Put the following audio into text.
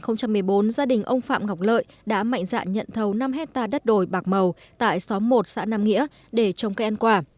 năm hai nghìn một mươi bốn gia đình ông phạm ngọc lợi đã mạnh dạng nhận thấu năm hectare đất đồi bạc màu tại xóm một xã nam nghĩa để trồng cây ăn quả